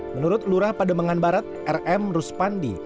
menurut lurah pademangan barat rm ruspandi